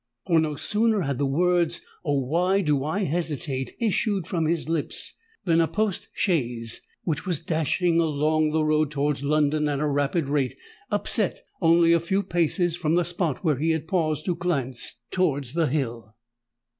For, no sooner had the words—"Oh! why do I hesitate?" issued from his lips, than a post chaise, which was dashing along the road towards London at a rapid rate, upset only a few paces from the spot where he had paused to glance towards the hill.